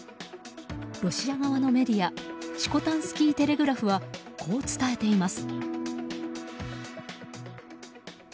ロシア側のメディアシコタンスキー・テレグラフはこう伝えています。